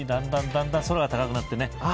だんだん空が高くなってね。